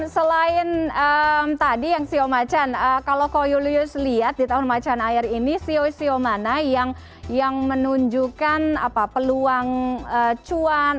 selain tadi yang siomacan kalau kau julius lihat di tahun macan air ini siom mana yang menunjukkan peluang cuan